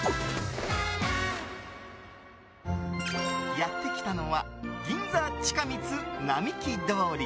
やってきたのは銀座ちかみつ並木通り。